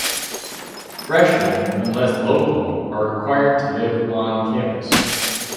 Freshmen, unless local, are required to live on-campus.